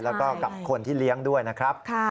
แล้วก็กับคนที่เลี้ยงด้วยนะครับ